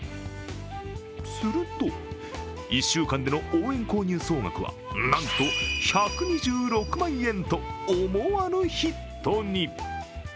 すると、１週間での応援購入総額は、なんと１２６万円と思わぬヒットに。